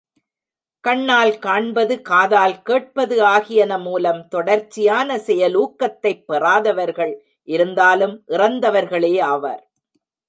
கண்ணால் காண்பது, காதால் கேட்பது ஆகியன மூலம் தொடர்ச்சியான செயலூக்கத்தைப் பெறாதவர்கள் இருந்தாலும் இறந்தவர்களேயாவர்.